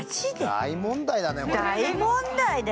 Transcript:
大問題だねこれ。